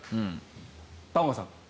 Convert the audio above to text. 玉川さん。